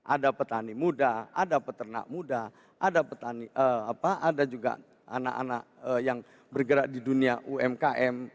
ada petani muda ada peternak muda ada petani ada juga anak anak yang bergerak di dunia umkm